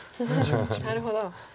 なるほど。